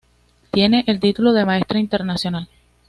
Tiene el título de Maestra Internacional.